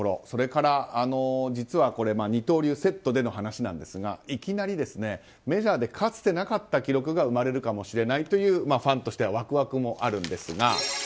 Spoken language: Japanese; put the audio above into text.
それから二刀流セットでの話なんですがいきなりメジャーでかつてなかった記録が生まれるかもしれないというファンとしてはワクワクもあるんですが。